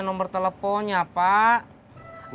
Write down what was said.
nomor telepon ya pak